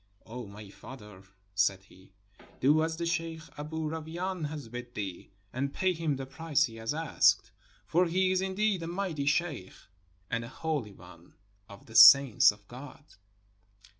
"O my father," said he, "do as the sheikh Aboo Ra wain has bid thee, and pay him the price he has asked ; for he is indeed a mighty sheikh and a holy one of the saints of God."